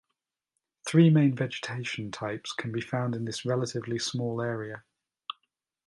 Three main vegetation types can be found in this relatively small area.